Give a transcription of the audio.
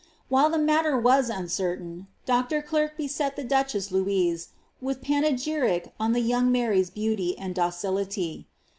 While the matter was uncertaio, Dr. Gierke beset tlie duchess Louise with panegyric on the young Maiy^ beauty and docility.